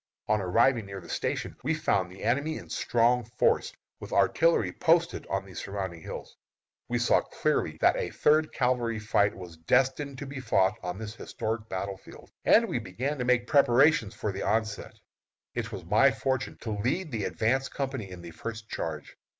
On arriving near the Station we found the enemy in strong force, with artillery posted on the surrounding hills. We saw clearly that a third cavalry fight was destined to be fought on this historic field, and we began to make preparations for the onset. It was my fortune to lead the advance company in the first charge.